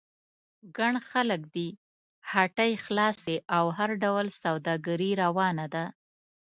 ګڼ خلک دي، هټۍ خلاصې او هر ډول سوداګري روانه ده.